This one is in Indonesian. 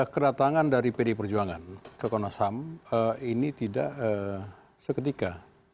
kedatangan dari pdip ke komnas ham ini tidak seketika